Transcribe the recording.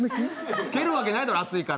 つけるわけないだろ、熱いから。